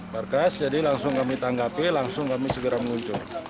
markas jadi langsung kami tanggapi langsung kami segera meluncur